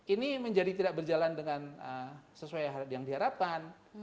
ini menjadi tidak berjalan dengan sesuai yang diharapkan